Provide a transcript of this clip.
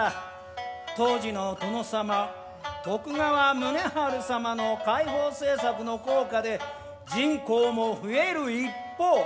当時の殿様徳川宗春様の開放政策の効果で人口も増える一方。